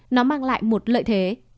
nó mang lại một lợi thế